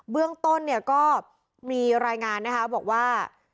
เรื่องต้นเนี่ยก็มีรายงานนะคะบอกว่า